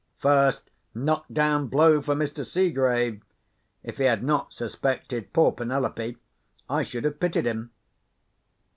First knock down blow for Mr. Seegrave! If he had not suspected poor Penelope, I should have pitied him.